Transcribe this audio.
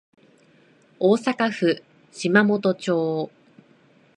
大阪府島本町